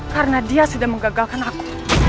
karena dia sudah menggagalkan aku